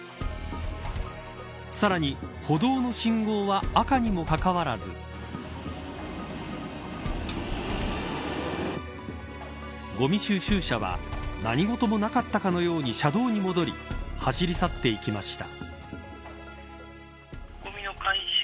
さらに、歩道の信号は赤にもかかわらずごみ収集車は何事もなかったかのように車道に戻り走り去っていきました。